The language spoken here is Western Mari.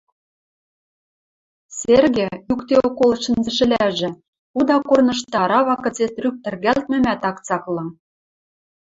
Серге, юкдеок колышт шӹнзӹшӹлӓжӹ, худа корнышты арава кыце трӱк тӹргӓлтмӹмӓт ак цаклы.